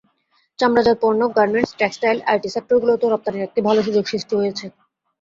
চামড়াজাত পণ্য, garments, textile, IT সেক্টরগুলোতেও রপ্তানির একটি ভালো সুযোগ সৃষ্টি হয়েছে।